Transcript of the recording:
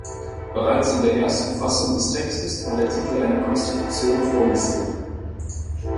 Bereits in der ersten Fassung des Textes war der Titel einer Konstitution vorgesehen.